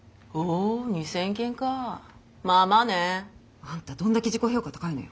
あんたどんだけ自己評価高いのよ。